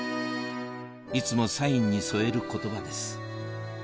いつもサインに添える言葉です